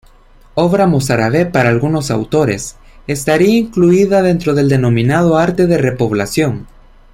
Obra mozárabe para algunos autores, estaría incluida dentro del denominado arte de repoblación.